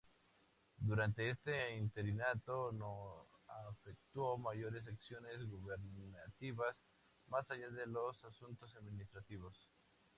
Durante este interinato, no efectuó mayores acciones gubernativas, más allá de los asuntos administrativos.